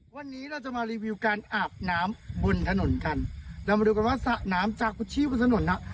วันนี้เราจะมารีวิวการอาบน้ำบนถนนกันเรามาดูกันว่าสระน้ำจากพื้นที่บนถนนนะ